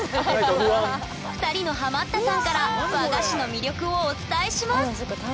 ２人のハマったさんから和菓子の魅力をお伝えします！